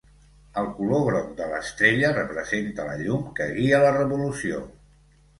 El color groc de l'estrella representa la llum que guia la revolució.